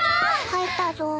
帰ったぞ。